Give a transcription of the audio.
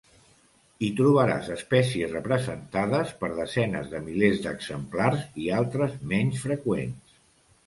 Hi trobaràs espècies representades per desenes de milers d'exemplars i altres menys freqüents.